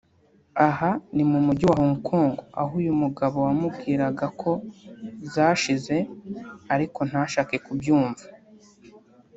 Aha ni mu mujyi wa Hong Kong aho uyu mugabo bamubwiraga ko zashize ariko ntashake kubyumva